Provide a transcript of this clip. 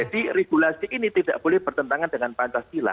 jadi regulasi ini tidak boleh bertentangan dengan pancasila